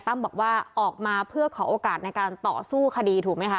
บอกว่าออกมาเพื่อขอโอกาสในการต่อสู้คดีถูกไหมคะ